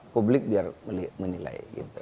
publik biar menilai